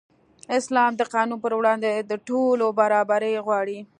اسلام د قانون پر وړاندې د ټولو برابري غواړي.